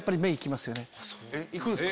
いくんすか？